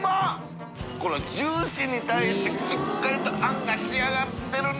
このジューシーに対して靴辰蠅餡が仕上がってるね。